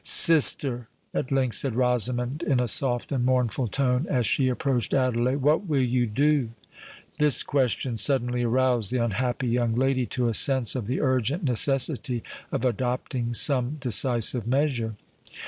"Sister," at length said Rosamond, in a soft and mournful tone, as she approached Adelais, "what will you do?" This question suddenly aroused the unhappy young lady to a sense of the urgent necessity of adopting some decisive measure.